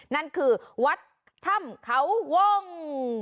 นั่นคือวัดถ้ำเขาวง